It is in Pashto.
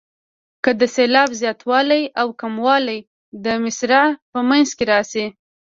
که د سېلاب زیاتوالی او کموالی د مصرع په منځ کې راشي.